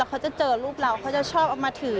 เขาจะเจอรูปเราเขาจะชอบเอามาถือ